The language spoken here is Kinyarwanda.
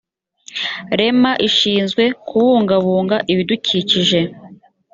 rema ishinzwe kubungabunga ibidukikije